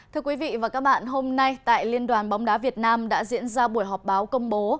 thưa quý vị và các bạn hôm nay tại liên đoàn bóng đá việt nam đã diễn ra buổi họp báo công bố